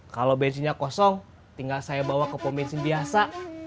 kalau bensinnya kosong tinggal saya bawa ke pembensin biasa